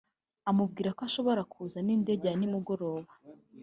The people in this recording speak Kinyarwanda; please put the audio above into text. amubwira ko ashobora kuza n’indege ya nimugoroba